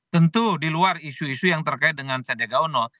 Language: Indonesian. tentu di luar isu isu yang terkait dengan sendega uno